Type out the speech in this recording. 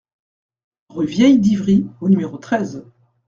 Rue Vieille d'Ivry au numéro treize